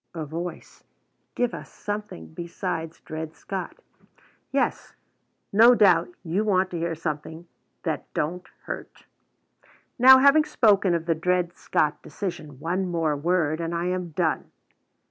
[A voice: "Give us something besides Dred Scott."] Yes; no doubt you want to hear something that don't hurt. Now, having spoken of the Dred Scott decision, one more word and I am done.